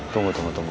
tunggu tunggu tunggu